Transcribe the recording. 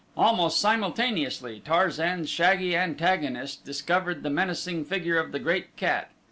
Almost simultaneously Tarzan's shaggy antagonist discovered the menacing figure of the great cat.